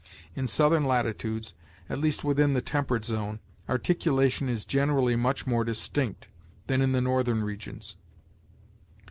In southern latitudes, at least within the temperate zone, articulation is generally much more distinct than in the northern regions.